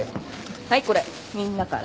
はいこれみんなから。